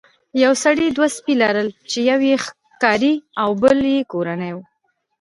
یو سړي دوه سپي لرل چې یو یې ښکاري او بل یې کورنی و.